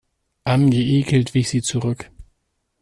Angeekelt wich sie zurück.